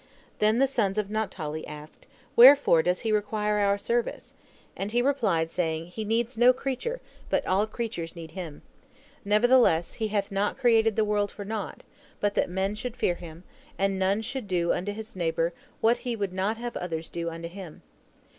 Then the sons of Naphtali asked: "Wherefore does He require our service?" and he replied, saying: "He needs no creature, but all creatures need Him. Nevertheless He hath not created the world for naught, but that men should fear Him, and none should do unto his neighbor what he would not have others do unto him."